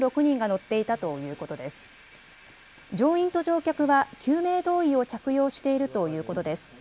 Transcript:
乗員と乗客は救命胴衣を着用しているということです。